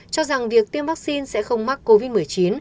cho rằng việc tiêm vaccine sẽ không mắc covid một mươi chín